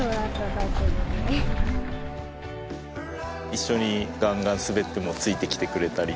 一緒にガンガン滑ってもついてきてくれたり。